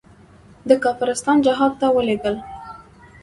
د کافرستان جهاد ته ولېږل.